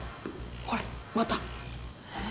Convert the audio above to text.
これまた。えっ？